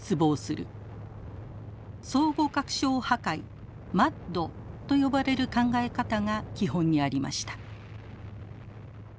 相互確証破壊＝ＭＡＤと呼ばれる考え方が基本にありました。